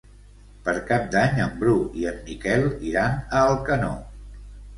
Per Cap d'Any en Bru i en Miquel iran a Alcanó.